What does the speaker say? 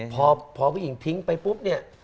พอผู้หญิงทิ้งไปปุ๊บเนี่ย